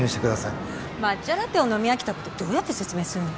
抹茶ラテを飲み飽きたことどうやって説明するの？